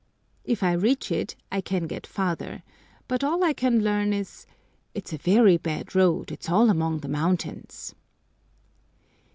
If I reach it I can get farther, but all I can learn is, "It's a very bad road, it's all among the mountains."